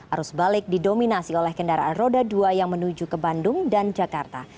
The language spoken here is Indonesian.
arus balik didominasi oleh kendaraan roda dua yang menuju ke bandung dan jakarta